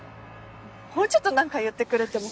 もうちょっと何か言ってくれても。